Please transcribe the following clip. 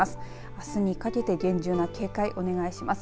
あすにかけて厳重な警戒お願いします。